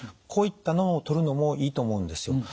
こういったのをとるのもいいと思うんですよ。